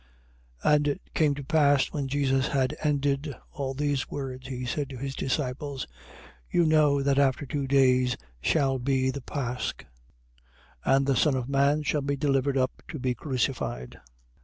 26:1. And it came to pass, when Jesus had ended all these words, he said to his disciples: 26:2. You know that after two days shall be the pasch: and the Son of man shall be delivered up to be crucified.